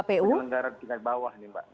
penyelenggara di bawah ini pak